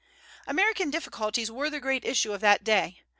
American difficulties were the great issue of that day.